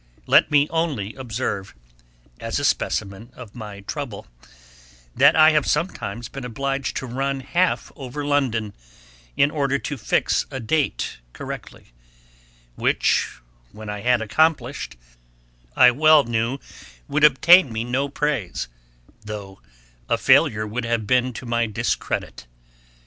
Let me only observe, as a specimen of my trouble, that I have sometimes been obliged to run half over London, in order to fix a date correctly; which, when I had accomplished, I well knew would obtain me no praise, though a failure would have been to my discredit.